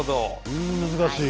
うん難しい。